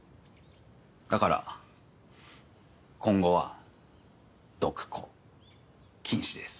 だから今後は「毒子」禁止です。